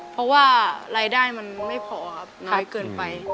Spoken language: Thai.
เพราะว่ารายได้มันไม่พอครับน้อยเกินไป